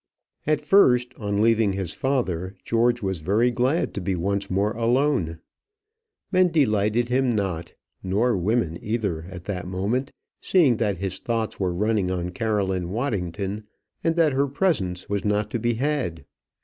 At first, on leaving his father, George was very glad to be once more alone. Men delighted him not; nor women either at that moment seeing that his thoughts were running on Caroline Waddington, and that her presence was not to be had.